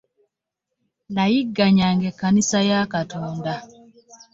Nayigganyanga ekkanisa ya Katonda.